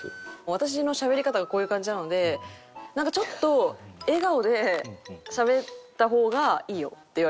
私のしゃべり方がこういう感じなので「なんかちょっと笑顔でしゃべった方がいいよ」って言われました。